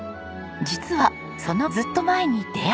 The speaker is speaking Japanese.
実はそのずっと前に出会いが。